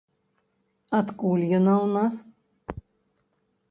Адкуль яна ў нас?